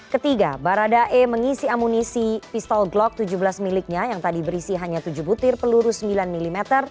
ketiga baradae mengisi amunisi pistol glock tujuh belas miliknya yang tadi berisi hanya tujuh butir peluru sembilan mm